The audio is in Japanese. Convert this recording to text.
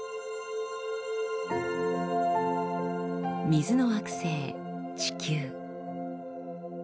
水の惑星地球。